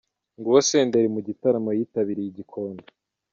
Nguwo Senderi mu gitaramo yitabiriye i Gikondo.